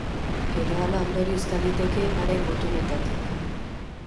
Edo hala ondoriozta liteke, haren gutunetatik.